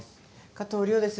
加藤諒です。